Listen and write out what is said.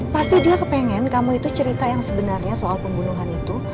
pasti dia kepengen kamu itu cerita yang sebenarnya soal pembunuhan itu